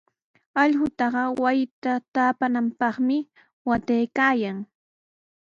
Allqutaqa wasita taapananpaqmi waataykaayan.